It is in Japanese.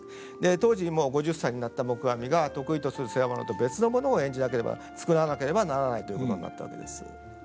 当時５０歳になった黙阿弥が得意とする世話物と別の物を演じなければ作らなければならないということになったわけです。